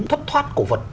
thấp thoát cổ vật